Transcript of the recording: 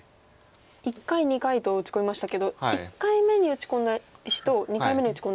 １回２回と打ち込みましたけど１回目に打ち込んだ石と２回目に打ち込んだ